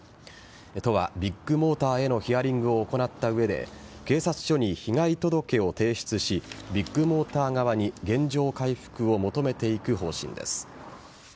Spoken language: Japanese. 都は、ビッグモーターへのヒアリングを行った上で警察署に被害届を提出しビッグモーター側に原状回復を求めていく方針です。